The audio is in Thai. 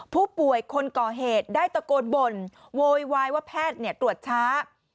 ผู้ป่วยคนก่อเหตุได้ตะโกนบ่นโวยวายว่าแพทย์ตรวจช้า